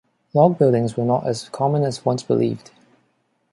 Log buildings were not as common as once believed.